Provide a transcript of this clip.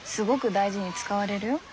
大事に使われるよ。